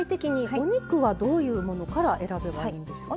お肉はどういうものから選べばいいんでしょうか？